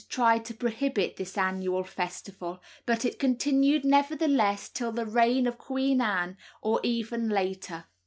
tried to prohibit this annual festival, but it continued nevertheless till the reign of Queen Anne, or even later.